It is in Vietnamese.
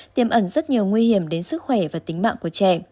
tiêm ẩn rất nhiều nguy hiểm đến sức khỏe và tính mạng của trẻ